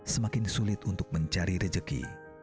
semakin sulit untuk mencari rejeki